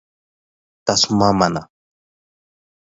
Tasuma ma mana